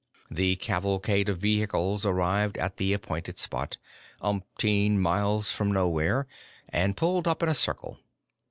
The cavalcade of vehicles arrived at the appointed spot umpteen miles from nowhere and pulled up in a circle.